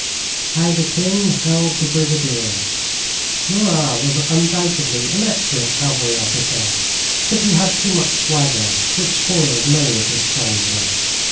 HOW THE KING HELD THE BRIGADIER Murat was undoubtedly an excellent cavalry officer, but he had too much swagger, which spoils many a good soldier.